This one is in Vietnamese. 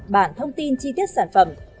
bản thông tin chi tiết sản phẩm